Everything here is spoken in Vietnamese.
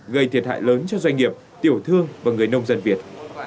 gây thiệt hại lớn cho doanh nghiệp tiểu thương và người nông dân việt